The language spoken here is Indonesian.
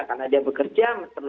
karena dia bekerja